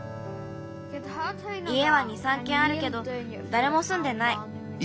いえは２３けんあるけどだれもすんでない。